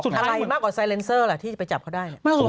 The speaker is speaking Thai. อะไรมากกว่าไซเลนเซอร์ล่ะที่จะไปจับเขาได้